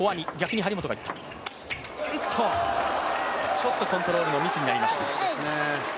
ちょっとコントロールのミスになりました。